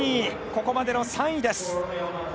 ここまでの３位です。